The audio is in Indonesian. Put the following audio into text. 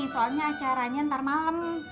soalnya acaranya ntar malem